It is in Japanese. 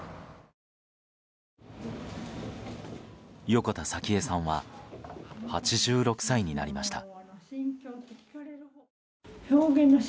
横田早紀江さんは８６歳になりました。